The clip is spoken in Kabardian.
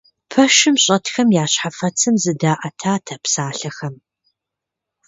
Пэшым щӀэтхэм я щхьэфэцым зыдаӀэтат а псалъэхэм.